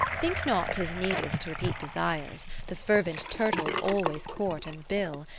VII Think not 'tis needless to repeat desires ; The fervent turtles always court and bill.